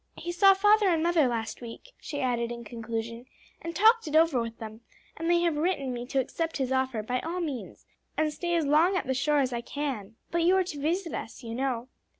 "He saw father and mother last week," she added in conclusion, "and talked it over with them, and they have written me to accept his offer by all means, and stay as long at the shore as I can." "But you are to visit us, you know."